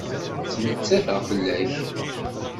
Ttmettateɣ fell-ak.